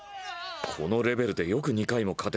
このレベルでよく２回も勝てたな